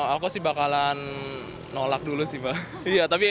aku sih bakalan nolak dulu sih mbak